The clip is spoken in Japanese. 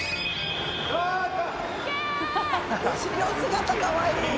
後ろ姿かわいい。